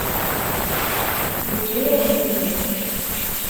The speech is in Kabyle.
Yeǧǧa-yawen-ten-id?